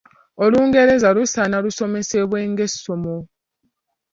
“Olungereza lusaana lusomesebwe ng’essomo